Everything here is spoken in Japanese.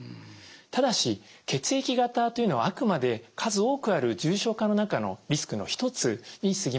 ただし血液型というのはあくまで数多くある重症化の中のリスクの一つにすぎません。